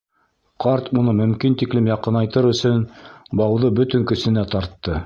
Ҡарт уны мөмкин тиклем яҡынайтыр өсөн бауҙы бөтөн көсөнә тартты.